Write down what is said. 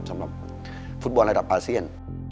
สำหรับฟุตบอลระดับอาเซียน